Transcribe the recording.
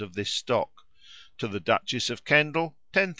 of this stock; to the Duchess of Kendal, 10,000l.